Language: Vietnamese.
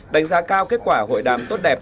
đánh giá cao kết quả hội đám tốt đẹp